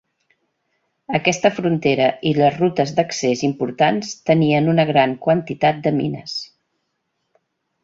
Aquesta frontera i les rutes d'accés importants tenien una gran quantitat de mines.